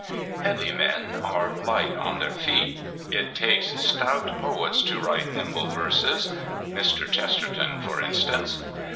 Heavy men are light on their feet: it takes stout poets to write nimble verses (Mr. Chesterton, for instance).